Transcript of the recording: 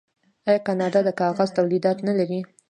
آیا کاناډا د کاغذ تولیدات نلري؟